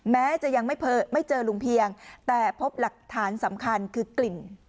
แม้จะยังไม่เจอลุงเพียงแต่พบหลักฐานสำคัญคือกลิ่น